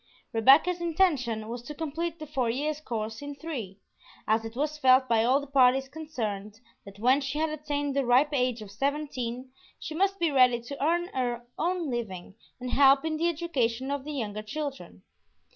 Rebecca's intention was to complete the four years' course in three, as it was felt by all the parties concerned that when she had attained the ripe age of seventeen she must be ready to earn her own living and help in the education of the younger children.